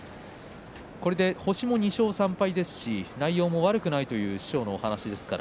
星も２勝３敗ですし内容も悪くないという師匠のお話です。